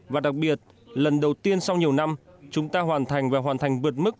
và đặc biệt lần đầu tiên sau nhiều năm chúng ta hoàn thành và hoàn thành vượt mức